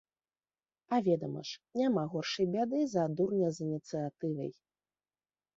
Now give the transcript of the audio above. А ведама ж, няма горшай бяды за дурня з ініцыятывай.